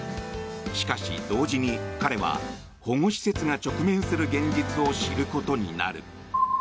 しかし同時に彼は保護施設が直面する現実を知ることになる。